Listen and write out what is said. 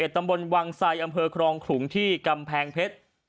ตำบลวังไซอำเภอครองขลุงที่กำแพงเพชร